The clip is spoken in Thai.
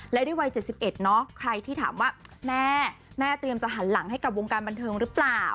และด้วยวัย๗๑เนาะใครที่ถามว่าแม่แม่เตรียมจะหันหลังให้กับวงการบันเทิงหรือเปล่า